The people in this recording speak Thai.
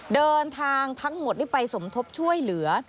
เดินทางทั้งหมดได้ไปสมทบช่วยเหลือ